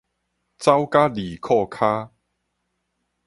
走甲離褲跤